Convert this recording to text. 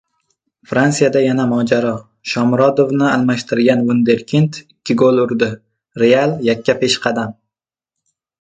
Fransiyada yana mojaro, Shomurodovni almashtirgan vunderkind ikki gol urdi, «Real» - yakkapeshqadam